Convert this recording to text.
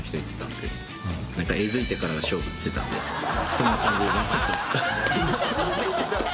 そんな感じで頑張ってます。